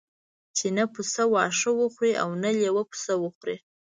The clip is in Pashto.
چې نه پسه واښه وخوري او نه لېوه پسه وخوري.